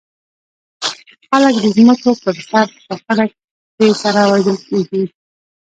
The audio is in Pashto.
خلک د ځمکو پر سر په شخړه کې سره وژل کېږي.